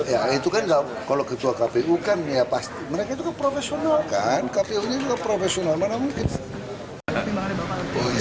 ya itu kan kalau ketua kpu kan ya pasti mereka itu kan profesional kan kpu nya juga profesional mana mungkin